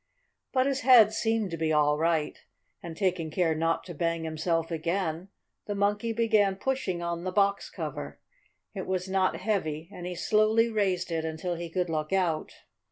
But his head seemed to be all right, and, taking care not to bang himself again, the Monkey began pushing on the box cover. It was not heavy, and he slowly raised it until he could look out.